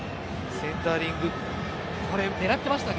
センタリング狙っていましたね。